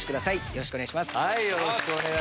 よろしくお願いします。